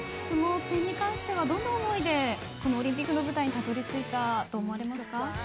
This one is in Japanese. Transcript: その点に関してはどんな思いでオリンピックの舞台にたどり着いたと思われますか？